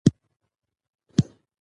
او دوو بجو وروسته